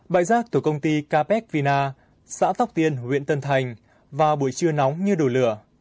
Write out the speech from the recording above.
bãi rác từ công ty capec vina xã tóc tiên huyện tân thành vào buổi trưa nóng như đổ lửa